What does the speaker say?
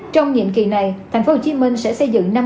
trong nhiệm kỳ này tp hcm sẽ xây dựng